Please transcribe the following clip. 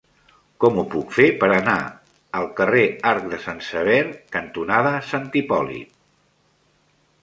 Com ho puc fer per anar al carrer Arc de Sant Sever cantonada Sant Hipòlit?